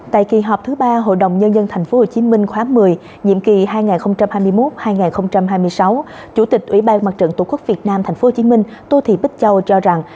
tại kỳ họp thứ ba hội đồng nhân dân tp hcm khóa một mươi nhiệm kỳ hai nghìn hai mươi một hai nghìn hai mươi sáu chủ tịch ủy ban mặt trận tổ quốc việt nam tp hcm tô thị bích châu cho rằng